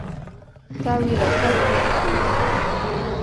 Tawi la tatu lipo Iringa.